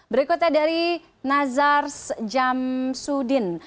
berikutnya dari nazars jam sudin